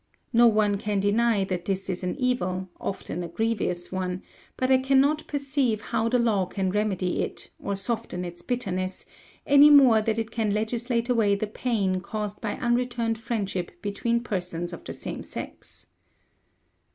No one can deny that this is an evil, often a grievous one; but I cannot perceive how the law can remedy it, or soften its bitterness, any more than it can legislate away the pain caused by unreturned friendship between persons of the same sex.